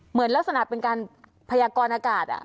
เหมือนลักษณะเป็นการพยากรอากาศ